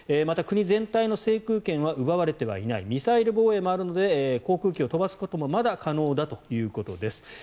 また、国全体の制空権は奪われてはいないミサイル防衛もあるので航空機を飛ばすこともまだ可能だということです。